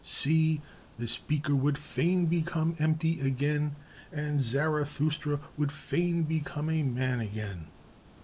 "'See! This beaker would fain become empty again, and Zarathustra would fain become a man again.